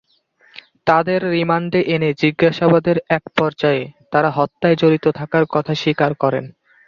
তাঁদের রিমান্ডে এনে জিজ্ঞাসাবাদের একপর্যায়ে তাঁরা হত্যায় জড়িত থাকার কথা স্বীকার করেন।